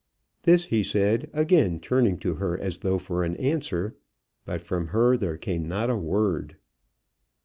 This he said, again turning to her as though for an answer. But from her there came not a word.